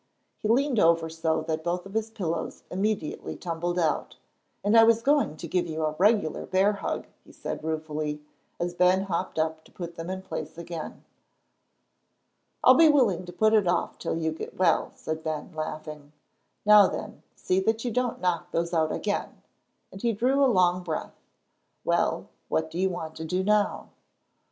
He leaned over so that both of his pillows immediately tumbled out. "And I was going to give you a regular bear hug," he said ruefully, as Ben hopped up to put them in place again. "I'll be willing to put it off till you get well," said Ben, laughing. "Now, then, see that you don't knock those out again," and he drew a long breath. "Well, what do you want to do now?"